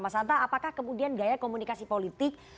mas hanta apakah kemudian gaya komunikasi politik